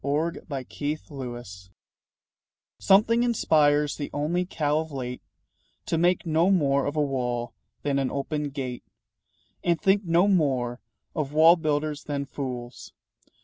THE COW IN APPLE TIME Something inspires the only cow of late To make no more of a wall than an open gate, And think no more of wall builders than fools.